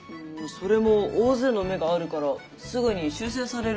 それも大勢の目があるからすぐに修正されるんじゃないかな。